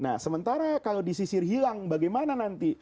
nah sementara kalau disisir hilang bagaimana nanti